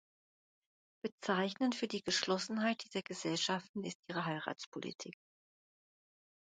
Bezeichnend für die Geschlossenheit dieser Gesellschaften ist ihre Heiratspolitik.